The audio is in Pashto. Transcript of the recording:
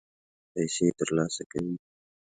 پیسې ترلاسه کوي.